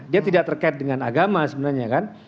dia tidak terkait dengan agama sebenarnya kan